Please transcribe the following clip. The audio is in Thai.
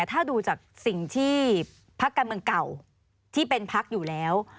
ถ้าดูจากสิ่งที่พักการเมืองเก่าที่เป็นพักอยู่แล้ว